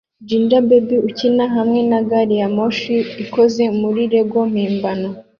Ginger baby ukina hamwe na gari ya moshi ikozwe muri lego mpimbano